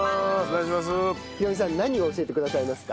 廣美さん何を教えてくださいますか？